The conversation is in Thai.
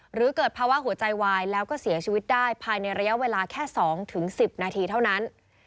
หรือเกิดภาวะหัวใจวายแล้วก็เสียชีวิตได้ภายในระยะเวลาแค่๒๑๐นาทีเท่านั้น